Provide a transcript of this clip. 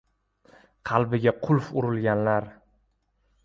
Qalbiga qulf urilganlar